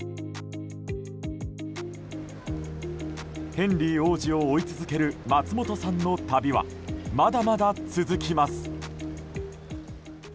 ヘンリー王子を追い続ける松本さんの旅はまだまだ続きます。